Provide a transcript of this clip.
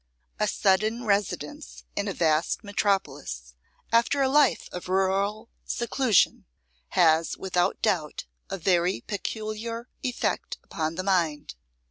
A sudden residence in a vast metropolis, after a life of rural seclusion, has without doubt a very peculiar effect upon the mind.